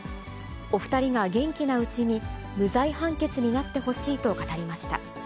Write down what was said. お２人が元気なうちに無罪判決になってほしいと語りました。